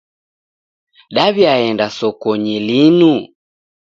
Daw'iaenda sokonyi linu.